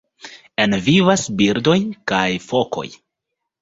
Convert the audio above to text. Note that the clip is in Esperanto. En vivas birdoj kaj fokoj.